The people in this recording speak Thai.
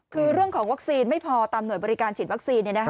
คือเรื่องของวัคซีนไม่พอตามหน่วยบริการฉีดวัคซีน